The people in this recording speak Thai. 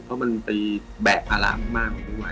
เพราะมันแบบอาหารมาก